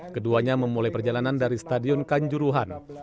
keduanya memulai perjalanan dari stadion kanjuruhan